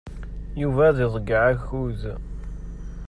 Yuba ad iḍeyyeɛ akud.